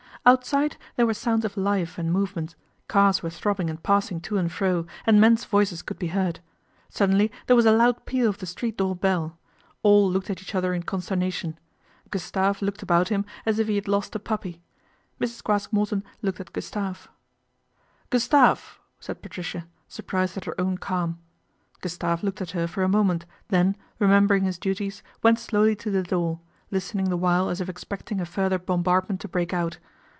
Outside there were sounds of life and movement, cars were throbbing and passing to and fro, and men's voices could be heard. Suddenly there was a loud peal of the street door bell. All looked at each other in consternation. Gustave looked about him as if he had lost a puppy. Mrs. Craske Morton looked at Gustave. " Gustave !" said Patricia, surprised at her own calm. Gustave looked at her for a moment then, remembering his duties, went slowly to the door, listening the while as if expecting a further bom bardment to break out.